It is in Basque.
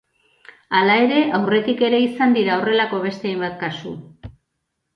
Hala ere, aurretik ere izan dira horrelako beste hainbat kasu.